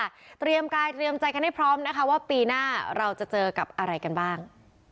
เตรียมกายเตรียมใจกันให้พร้อมนะคะว่าปีหน้าเราจะเจอกับอะไรกันบ้าง